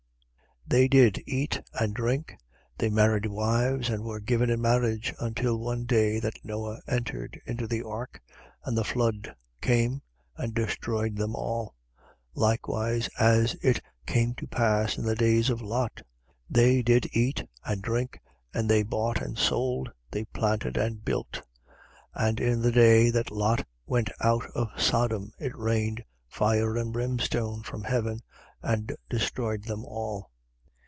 17:27. They did eat and drink, they married wives and were given in marriage, until the day that Noe entered into the ark and the flood came and destroyed them all. 17:28. Likewise as it came to pass in the days of Lot. They did eat and drink, they bought and sold, they planted and built. 17:29. And in the day that Lot went out of Sodom, it rained fire and brimstone from heaven and destroyed them all.